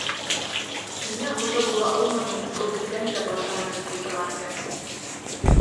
Миңә хужа була алманың, был бисәң дә башыңа менеп ултырған икән!